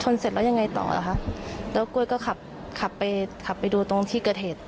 ชนเสร็จแล้วยังไงต่อหรอค่ะแล้วก็กล้วยก็ขับขับไปขับไปดูตรงที่เกอร์เทศ